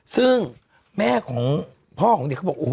ซึ่งแม่ของพ่อของเด็กเขาบอก